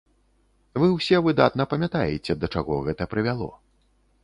Вы ўсе выдатна памятаеце, да чаго гэта прывяло.